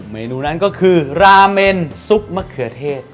เมนูนั้นก็คือราเมนซุปมะเขือเทศ